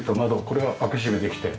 これは開け閉めできて。